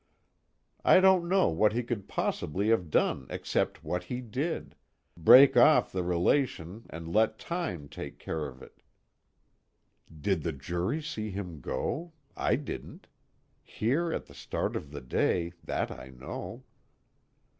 I don't know what he could possibly have done except what he did break off the relation and let time take care of it." (_Did the jury see him go? I didn't. Here at the start of the day, that I know.